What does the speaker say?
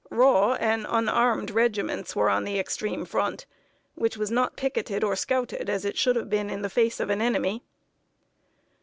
Raw and unarmed regiments were on the extreme front, which was not picketed or scouted as it should have been in the face of an enemy.